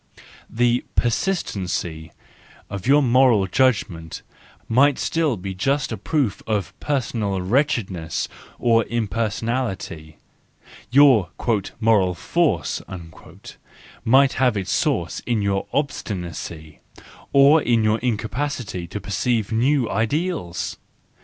The persistency of your moral judgment might still be just a proof of personal wretchedness or impersonality; your "moral force" might have its source in your obstinacy—or in your incapacity to perceive new ideals!